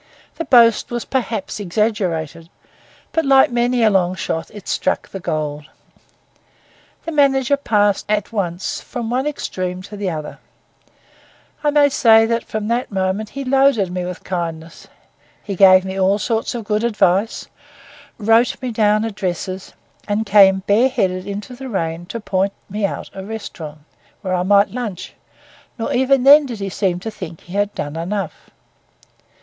The boast was perhaps exaggerated; but like many a long shot, it struck the gold. The manager passed at once from one extreme to the other; I may say that from that moment he loaded me with kindness; he gave me all sorts of good advice, wrote me down addresses, and came bareheaded into the rain to point me out a restaurant, where I might lunch, nor even then did he seem to think that he had done enough.